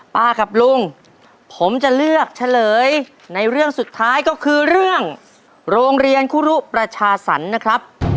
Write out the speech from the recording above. กับลุงผมจะเลือกเฉลยในเรื่องสุดท้ายก็คือเรื่องโรงเรียนคุรุประชาสรรค์นะครับ